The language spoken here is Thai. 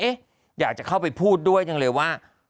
อยากจะเข้าไปพูดด้วยจังเลยว่า